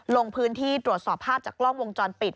ลงพื้นที่ตรวจสอบภาพจากกล้องวงจรปิด